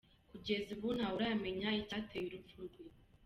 Kugeza ubu ntawe uramenya icyateye urupfu rwe.